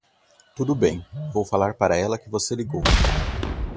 Tudo bem, vou falar para ela que você ligou.